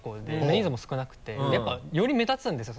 人数も少なくてやっぱより目立つんですよ。